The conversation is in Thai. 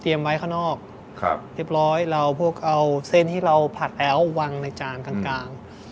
ไว้ข้างนอกครับเรียบร้อยเราพวกเอาเส้นที่เราผัดแล้ววางในจานกลางกลาง